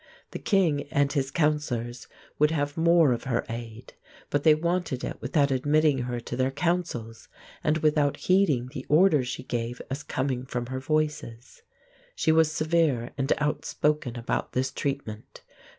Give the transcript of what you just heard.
The king and his counselors would have more of her aid; but they wanted it without admitting her to their councils and without heeding the orders she gave as coming from her Voices. She was severe and outspoken about this treatment.